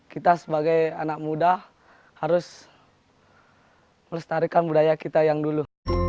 kita sebagai anak muda harus melestarikan budaya kita yang dulu